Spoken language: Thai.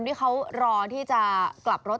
ที่เขารอที่จะกลับรถ